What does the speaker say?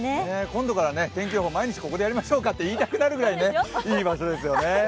今度から天気予報、毎日ここでやりましょうかと言いたくなるくらい、いい場所ですよね。